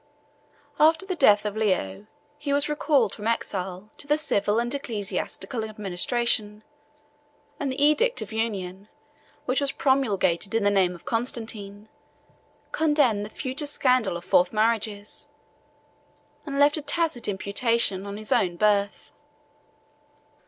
After the death of Leo, he was recalled from exile to the civil and ecclesiastical administration; and the edict of union which was promulgated in the name of Constantine, condemned the future scandal of fourth marriages, and left a tacit imputation on his own birth.